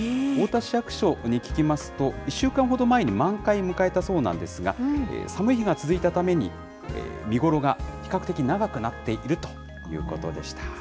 太田市役所に聞きますと、１週間ほど前に満開迎えたそうなんですが、寒い日が続いたために、見頃が比較的長くなっているということでした。